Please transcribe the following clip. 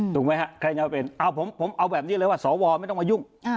ถูกไหมครับใครจะมาเป็นผมเอาแบบนี้เลยว่าสวไม่ต้องมายุ่ง